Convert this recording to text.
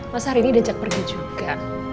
masa rini udah ajak pergi juga